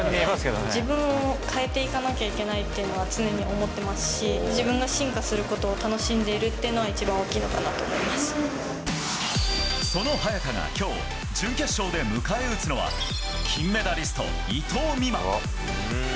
自分を変えていかなきゃいけないっていうのは、常に思ってますし、自分が進化するのを楽しんでいるっていうのが一番大きいのかなとその早田がきょう、準決勝で迎え撃つのは金メダリスト、伊藤美誠。